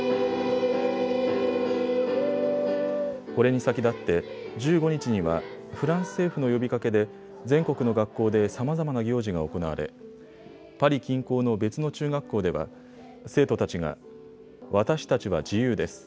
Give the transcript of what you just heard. これに先立って１５日にはフランス政府の呼びかけで全国の学校でさまざまな行事が行われパリ近郊の別の中学校では生徒たちが私たちは自由です。